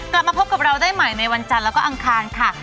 กลับมาพบกับเราได้ใหม่ในวันจันทร์แล้วก็อังคารค่ะ